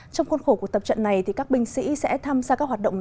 trong khuôn khổ cuộc tập trận này các binh sĩ sẽ tham gia các hoạt động